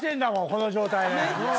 この状態で。